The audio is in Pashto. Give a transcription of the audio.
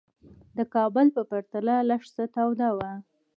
د کابل په پرتله لږ څه توده وه.